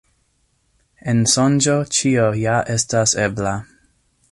En sonĝo ĉio ja estas ebla.